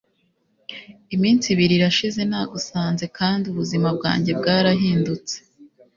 iminsi ibiri irashize nagusanze kandi ubuzima bwanjye bwarahindutse